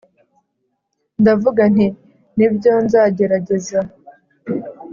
ndavuga nti: 'nibyo, nzagerageza.